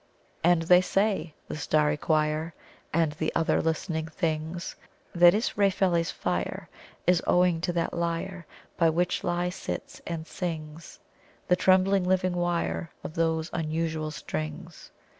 "And they say (the starry choir And the other listening things) That Israfeli's fire Is owing to that lyre, By which lie sits and sings, The trembling living wire Of those unusual strings."